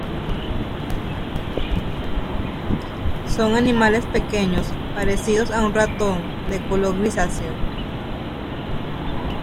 Son animales pequeños, parecidos a un ratón, de color grisáceo.